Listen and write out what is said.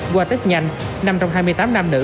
qua test nhanh năm trong hai mươi tám nam nữ